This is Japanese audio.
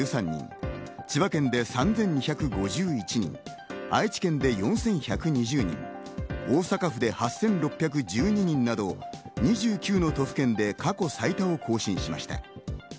千葉県で３２５１人、愛知県で４１２０人、大阪府で８６１２人など、２９の都道府県で過去最多を更新しました。